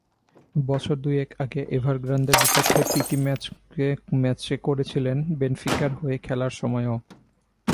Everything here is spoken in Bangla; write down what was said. বছর দুয়েক আগে এভারগ্রান্দের বিপক্ষে প্রীতি ম্যাচে করেছিলেন, বেনফিকার হয়ে খেলার সময়ও।